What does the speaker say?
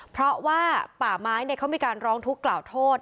เพราะว่าป่าไม้เขามีการร้องทุกข์กล่าวโทษ